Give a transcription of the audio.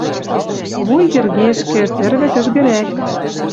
Вуй йӹргешкӹ, тӹрвӹ кӹжгӹрӓк.